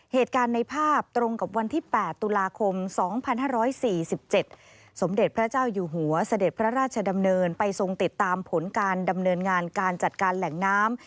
เหตุการณ์ในภาพตรงกับวันที่๘ตุลาคม๒๕๔๗สมเด็จพระเจ้าอยู่หัวเสด็จพระราชดำเนินไปทรงติดตามผลการดำเนินงานการจัดการแหล่งน้ำ